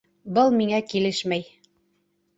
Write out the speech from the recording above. Был миңә килешмәй